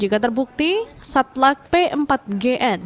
jika terbukti satlak p empat gn